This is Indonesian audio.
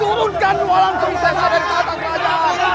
turunkan uang sungsang dari tata kerajaan